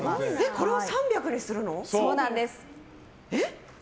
これを３００にするの？え？